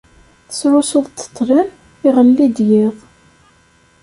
Tesrusuḍ-d ṭṭlam, iɣelli-d yiḍ.